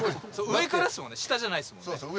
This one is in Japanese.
上からっすもんね下じゃないっすもんね